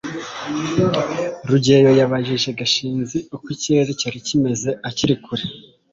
rugeyo yabajije gashinzi uko ikirere cyari kimeze akiri kure